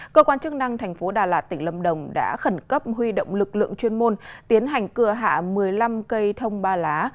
cơ quan chức năng thành phố đà lạt tỉnh lâm đồng đã khẩn cấp huy động lực lượng chuyên môn tiến hành cửa hạ một mươi năm cây thông ba lá